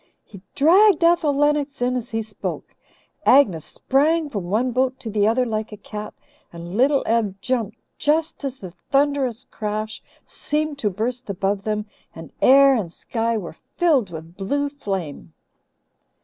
He dragged Ethel Lennox in as he spoke. Agnes sprang from one boat to the other like a cat, and Little Ev jumped just as a thunderous crash seemed to burst above them and air and sky were filled with blue flame.